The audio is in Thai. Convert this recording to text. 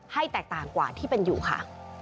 ให้แตกต่างกว่าที่เป็นอยู่ค่ะ